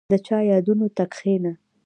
• د چا یادونو ته کښېنه.